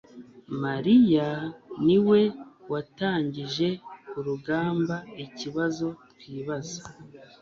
mariya niwe watangije urugamba ikibazo twibaza